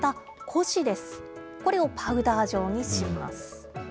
これをパウダー状にします。